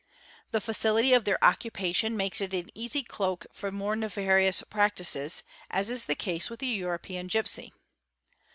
The facility of their occupation makes it an easy cloak for more nefarious practices, as is the case with the European gipsy.